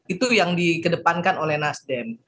itu yang di kedepankan oleh nasdem